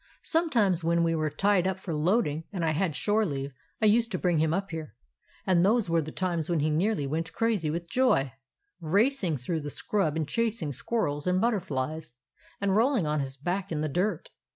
Sometimes when we were tied up for loading and I had shore leave I used to bring him up here ; and those were the times when he nearly went crazy with joy, racing through the scrub and chasing squirrels and butterflies, and rolling on his back in the dirt.